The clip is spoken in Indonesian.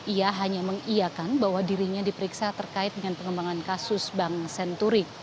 ia hanya mengiakan bahwa dirinya diperiksa terkait dengan pengembangan kasus bank senturi